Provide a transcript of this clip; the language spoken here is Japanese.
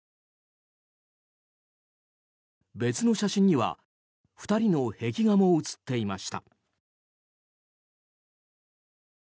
別の写真には２人の壁画も写っていました。